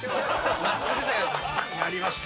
やりました！